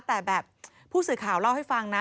แต่แบบผู้สื่อข่าวเล่าให้ฟังนะ